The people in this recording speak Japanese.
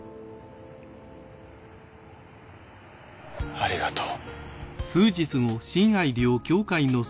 ありがとう。